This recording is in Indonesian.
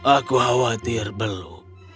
aku khawatir belu